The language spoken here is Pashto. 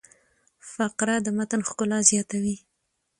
فقره د متن ښکلا زیاتوي.